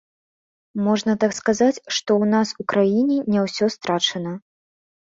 Можна так сказаць, што ў нас у краіне не ўсё страчана.